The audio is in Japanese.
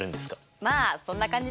まあそんな感じです。